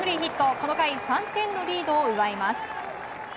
この回の３点のリードを奪います。